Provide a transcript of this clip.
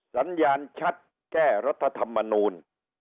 สัญญาณชัดแก้รัฐธรรมนูล